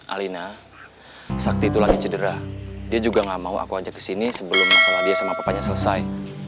alina sakti itu lagi cedera dia juga gak mau aku ajak kesini sebelum masalah dia sama papanya selesai